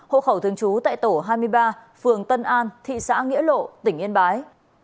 hộ khẩu thường trú tại tổ hai mươi ba phường tân an thị xã nghĩa lộ tỉnh yên bái